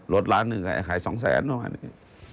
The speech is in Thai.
รถล้านหนึ่งขาย๒๐๐๐๐๐บาทประมาณนี้